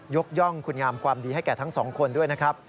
ยกย่องคุณงามความดีให้แก่ทั้งสองคนด้วยนะครับ